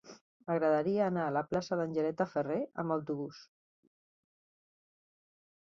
M'agradaria anar a la plaça d'Angeleta Ferrer amb autobús.